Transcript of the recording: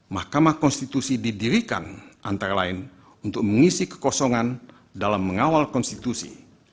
mahkamah konstitusi didirikan antara lain untuk mengisi kekosongan dalam mengawal konstitusi